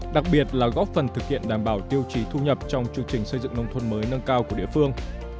đặc biệt là góp phần thực hiện đảm bảo tiêu chí thu nhập trong chương trình xây dựng nông thôn mới nâng cao của địa phương